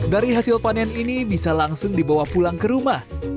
dari hasil panen ini bisa langsung dibawa pulang ke rumah